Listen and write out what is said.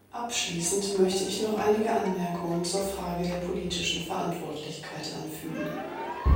Abschließend möchte ich noch einige Anmerkungen zur Frage der politischen Verantwortlichkeit anfügen.